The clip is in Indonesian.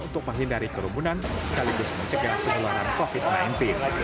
untuk menghindari kerumbunan sekaligus mencegah penyeluruhan covid sembilan belas